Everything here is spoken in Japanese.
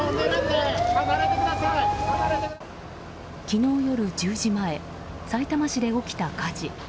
昨日夜１０時前さいたま市で起きた火事。